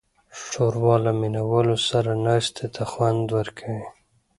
ښوروا له مینهوالو سره ناستې ته خوند ورکوي.